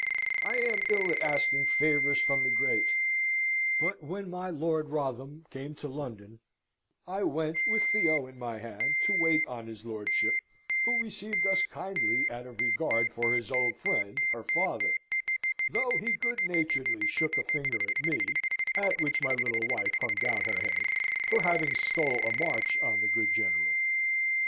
I am ill at asking favours from the great; but when my Lord Wrotham came to London, I went, with Theo in my hand, to wait on his lordship, who received us kindly, out of regard for his old friend, her father though he good naturedly shook a finger at me (at which my little wife hung down her head), for having stole a march on the good General.